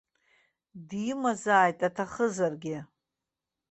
Димазааит аҭахызаргьы.